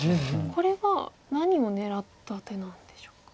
これは何を狙った手なんでしょうか。